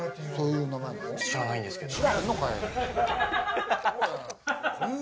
知らないんですけれども。